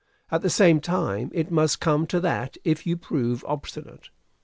At the same time, it must come to that if you prove obstinate.